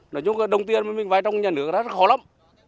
nói chung là đồng tiền mình vai trong nhà nước rất là khó lắm